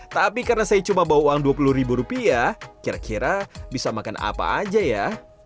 tapi karena saya cuma bawa uang dua puluh ribu rupiah kira kira bisa makan apa aja ya